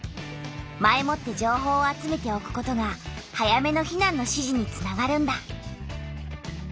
前もって情報を集めておくことが早めの避難の指示につながるんだ。